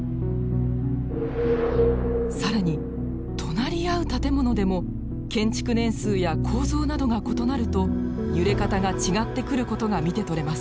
更に隣り合う建物でも建築年数や構造などが異なると揺れ方が違ってくることが見て取れます。